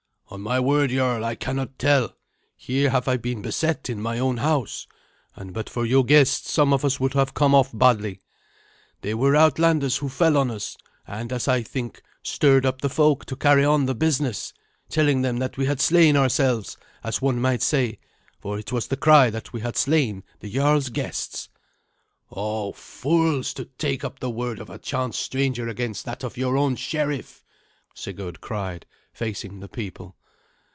"On my word, jarl, I cannot tell. Here have I been beset in my own house, and but for your guests some of us would have come off badly. There were outlanders who fell on us, and, as I think, stirred up the folk to carry on the business, telling them that we had slain ourselves, as one might say, for it was the cry that we had slain the jarl's guests." "O fools, to take up the word of a chance stranger against that of your own sheriff!" Sigurd cried, facing the people.